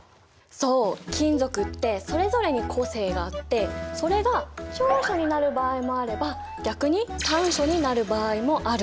そう金属ってそれぞれに個性があってそれが長所になる場合もあれば逆に短所になる場合もある。